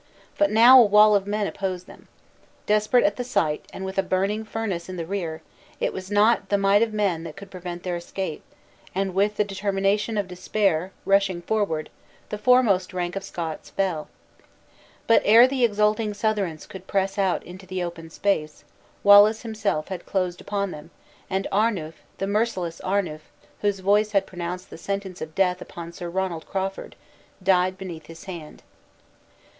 But now a wall of men opposed them. Desperate at the sight, and with a burning furnace in their rear, it was not the might of man that could prevent their escape, and with the determination of despair, rushing forward, the foremost rank of Scots fell. But ere the exulting Southrons could press out into the open space, Wallace himself had closed upon them, and Arnuf, the merciless Arnuf, whose voice had pronounced the sentence of death upon Sir Ronald Crawford, died beneath his hand.